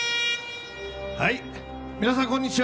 皆さん、こんにちは。